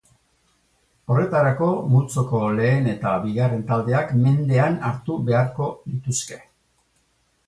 Horretarako multzoko lehen eta bigarren taldeak mendean hartu beharko lituzke.